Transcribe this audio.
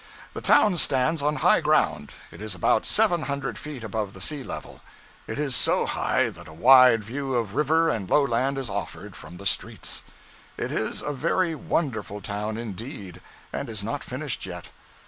The town stands on high ground; it is about seven hundred feet above the sea level. It is so high that a wide view of river and lowland is offered from its streets. It is a very wonderful town indeed, and is not finished yet.